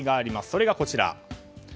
それがこちら。